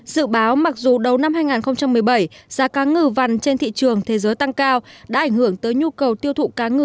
dự báo mặc dù đầu năm hai nghìn một mươi bảy giá cá ngừ vằn trên thị trường thế giới tăng cao đã ảnh hưởng tới nhu cầu tiêu thụ cá ngừ